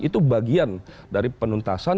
itu bagian dari penuntasan